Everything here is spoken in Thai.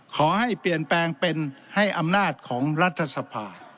ขอให้เปลี่ยนแปลงเป็นให้อำนาจของรัฐสภา